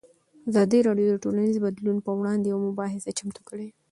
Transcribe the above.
ازادي راډیو د ټولنیز بدلون پر وړاندې یوه مباحثه چمتو کړې.